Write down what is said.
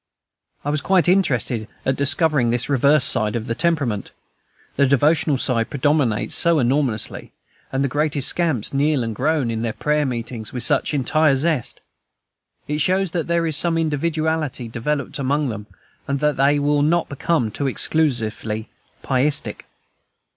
I was quite interested at discovering this reverse side of the temperament, the devotional side preponderates so enormously, and the greatest scamps kneel and groan in their prayer meetings with such entire zest. It shows that there is some individuality developed among them, and that they will not become too exclusively pietistic.